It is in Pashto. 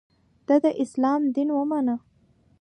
د ه داسلام دین ومانه.